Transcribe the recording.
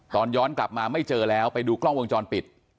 ตอนย้อนกลับมาไม่เจอแล้วไปดูกล้องวงจรปิด